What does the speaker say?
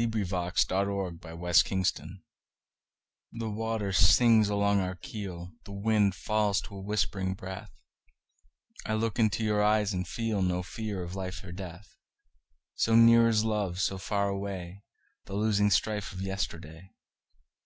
By SophieJewett 1502 Armistice THE WATER sings along our keel, The wind falls to a whispering breath;I look into your eyes and feelNo fear of life or death; So near is love, so far awayThe losing strife of yesterday.